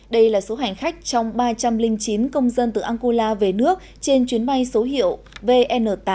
đây là số hành khách trong ba trăm linh chín công dân từ angola về nước trên chuyến bay số hiệu vn tám